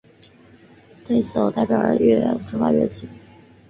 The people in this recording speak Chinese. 此对偶代表着人类理解弦理论和量子重力的重大跃进。